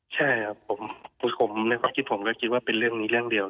ใช่ครับผมในความคิดผมก็คิดว่าเป็นเรื่องนี้เรื่องเดียว